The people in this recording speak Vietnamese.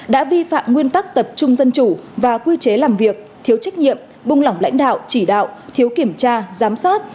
đã vi phạm nguyên tắc tập trung dân chủ và quy chế làm việc thiếu trách nhiệm buông lỏng lãnh đạo chỉ đạo thiếu kiểm tra giám sát